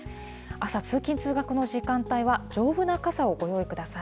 朝、通勤・通学の時間帯は丈夫な傘をご用意ください。